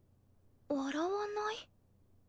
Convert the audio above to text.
「笑わない」？